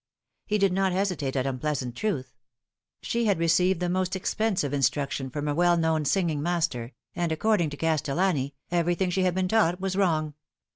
He did not hesitate at unpleasant truth. She had Deceived the most expensive instruction from a well known singing master, and Lifting the Curtain. 121 according to Castellani, everything she had been taught was wrong.